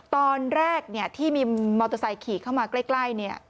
ตอนแรกเนี่ยที่มีมอเตอร์ไซค์ขี่เข้ามาใกล้เนี่ย